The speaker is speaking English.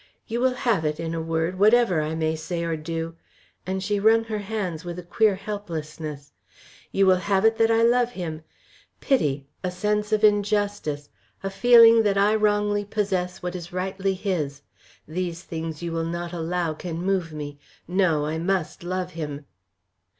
You will have it, in a word, whatever I may say or do," and she wrung her hands with a queer helplessness. "You will have it that I love him. Pity, a sense of injustice, a feeling that I wrongly possess what is rightly his these things you will not allow can move me. No, I must love him."